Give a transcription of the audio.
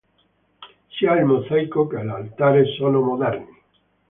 Sia il mosaico che l'altare sono moderni.